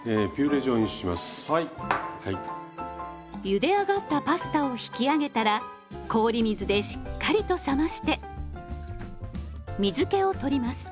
ゆで上がったパスタを引き上げたら氷水でしっかりと冷まして水けを取ります。